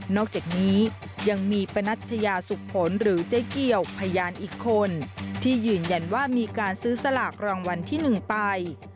อกจากนี้ยังมีปนัชยาสุขผลหรือเจ๊เกี่ยวพยานอีกคนที่ยืนยันว่ามีการซื้อสลากรางวัลที่๑ไป